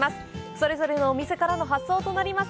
それぞれのお店からの発送となります。